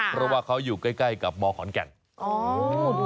เพราะว่าเขาอยู่ใกล้กับมขอนแก่น